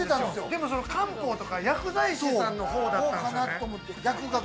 でも漢方とか薬剤師さんの方だったんですよね。